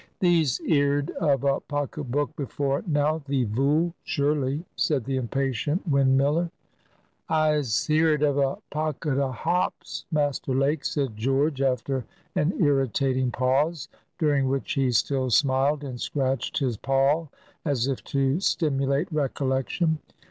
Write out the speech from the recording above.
"Thee's eerd of a pocket book before now, thee vool, sure ly!" said the impatient windmiller. "I'se eerd of a pocket of hops, Master Lake," said George, after an irritating pause, during which he still smiled, and scratched his poll as if to stimulate recollection.